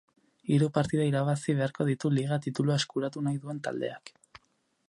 Hiru partida irabazi beharko ditu liga titulua eskuratu nahi duen taldeak.